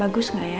bagus gak ya